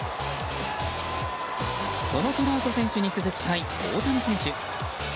そのトラウト選手に続きたい大谷選手。